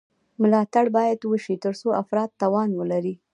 ملاتړ باید وشي ترڅو افراد توان ولري.